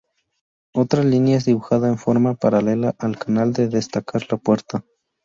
Otra línea es dibujada en forma paralela al canal para destacar la puerta.